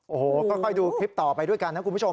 โอ้โหก็ค่อยดูคลิปต่อไปด้วยกันนะคุณผู้ชม